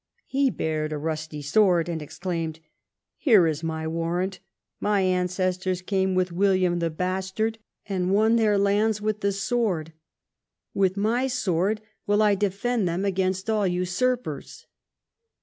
He bared a rusty sword and exclaimed, " Here is my warrant. My ancestors came with William the Bastard and won 126 EDWARD I chap. their lands with the sword. With my sword will I defend them against all usurpers."